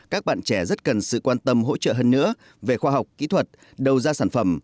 các bạn trẻ rất cần sự quan tâm hỗ trợ hơn nữa về khoa học kỹ thuật đầu ra sản phẩm